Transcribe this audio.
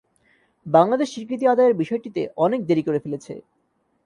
বাংলাদেশ স্বীকৃতি আদায়ের বিষয়টিতে অনেক দেরি করে ফেলেছে।